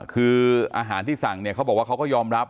คืออาหารที่สั่งเขาบอกว่ามันก็ยอมรับ